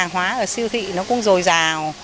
hàng hóa ở siêu thị nó cũng dồi dào